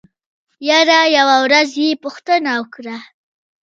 يره يوه ورځ يې پوښتنه وکړه.